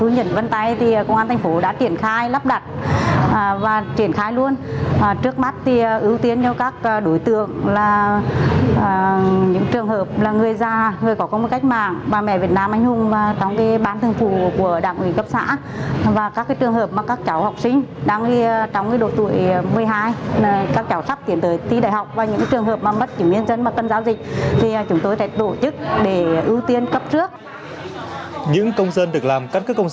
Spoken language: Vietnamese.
những công dân được làm căn cước công dân đợt này đã được các cán bộ chuyên sĩ hướng dẫn